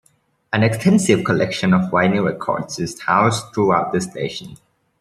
An extensive collection of vinyl records is housed throughout the station.